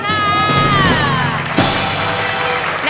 เล่นอ่ะ